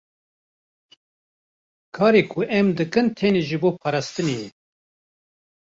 Karê ku em dikin tenê ji bo parastinê ye.